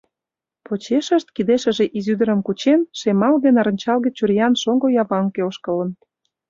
Почешышт, кидешыже изи ӱдырым кучен, шемалге-нарынчалге чуриян шоҥго яванке ошкылын.